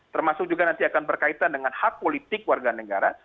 termasuk juga nanti akan berkaitan dengan hak politik warga negara